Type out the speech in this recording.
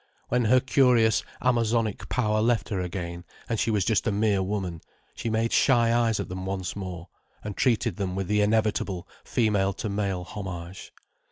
When her curious Amazonic power left her again, and she was just a mere woman, she made shy eyes at them once more, and treated them with the inevitable female to male homage.